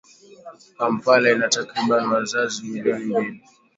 Kampala ina takribani wakazi milioni mbili